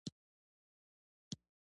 پاڼې د لمر او سیوري ترمنځ ژوند کوي.